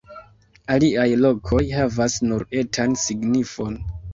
Aliaj lokoj havas nur etan signifon.